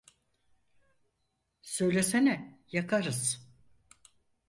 Söylesene, yakarız…